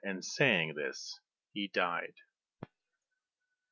and, saying this, he died.